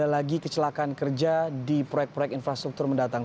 ada lagi kecelakaan kerja di proyek proyek infrastruktur mendatang